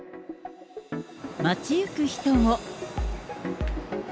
街行く人も。